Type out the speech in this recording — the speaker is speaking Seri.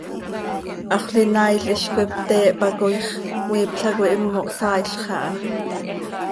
Haxöl inaail hizcoi pte hpacooix, cmiipla coi himo hsaailx aha.